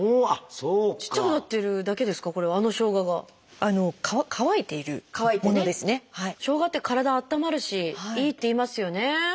しょうがって体あったまるしいいっていいますよね。